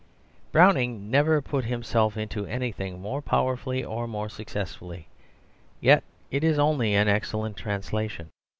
Browning never put himself into anything more powerfully or more successfully; yet it is only an excellent translation.